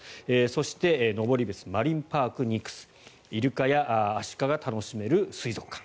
そして登別マリンパークニクスイルカやアシカが楽しめる水族館。